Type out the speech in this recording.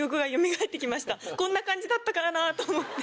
こんな感じだったなぁと思って。